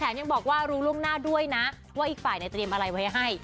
ยังบอกว่ารู้ล่วงหน้าด้วยนะว่าอีกฝ่ายเนี่ยเตรียมอะไรไว้ให้